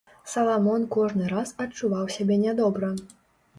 Саламон кожны раз адчуваў сябе нядобра.